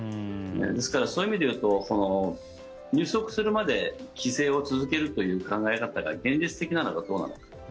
ですから、そういう意味でいうと収束するまで規制を続けるという考え方が現実的なのかどうなのか。